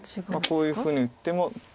こういうふうに打っても。